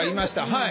はい。